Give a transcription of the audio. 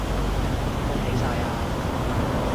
恭喜晒呀